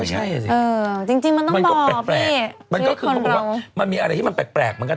เออจริงมันต้องบอกนี่มันก็คือมันมีอะไรที่มันแปลกเหมือนกัน